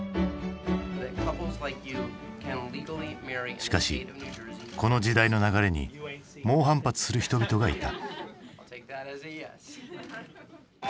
しかしこの時代の流れに猛反発する人々がいた。